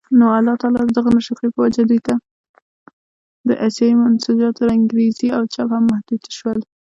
د اسیايي منسوجاتو رنګرېزي او چاپ هم محدود شول.